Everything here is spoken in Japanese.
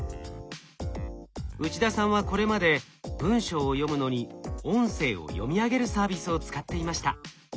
内田さんはこれまで文書を読むのに音声を読み上げるサービスを使っていました。